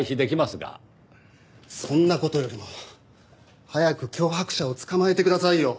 そんな事よりも早く脅迫者を捕まえてくださいよ。